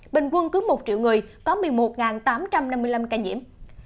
bình quân cứ một triệu người có một mươi một tám trăm năm mươi năm ca nhiễm